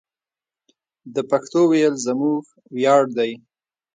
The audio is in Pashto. د پښتو ویل زموږ ویاړ دی.